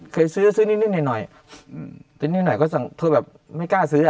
เคยซื้อซื้อนิ่งหน่อยก็ไม่กล้าซื้อ